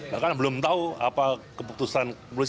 bahkan belum tahu apa keputusan